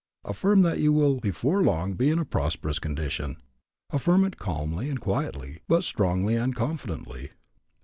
Affirm that you will before long be in a prosperous condition. Affirm it calmly and quietly, but strongly and confidently.